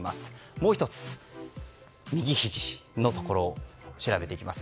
もう１つ、右ひじのところを調べていきます。